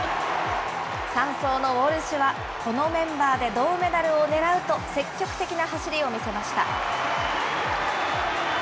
３走のウォルシュは、このメンバーで銅メダルを狙うと、積極的な走りを見せました。